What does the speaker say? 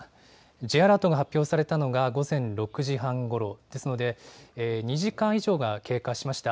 Ｊアラートが発表されたのが午前６時半ごろですので２時間以上が経過しました。